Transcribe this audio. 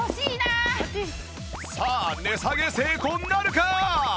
さあ値下げ成功なるか？